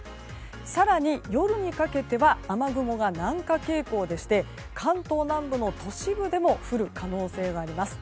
更に夜にかけては雨雲が南下傾向でして関東南部の都市部でも降る可能性があります。